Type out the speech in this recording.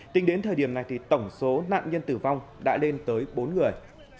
tính đến thời điểm này thì tổng số nạn nhân tử vong đã lên tới bốn người